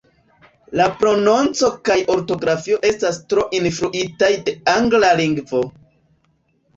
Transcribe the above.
La prononco kaj ortografio estas tro influitaj de angla lingvo.